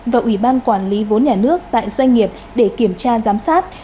và ủy ban quản lý vốn nhà nước tại doanh nghiệp để kiểm tra giám sát